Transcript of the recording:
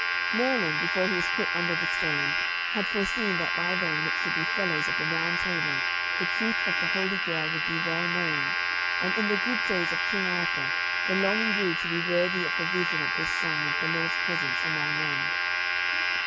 Merlin, before he was put under the stone, had foreseen that by them which should be fellows of the Round Table the truth of the Holy Grail would be well known, and in the good days of King Arthur the longing grew to be worthy of the vision of this sign of the Lord's presence among men.